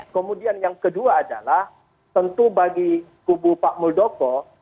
kemudian yang kedua adalah tentu bagi kubu pak muldoko